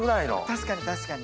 確かに確かに。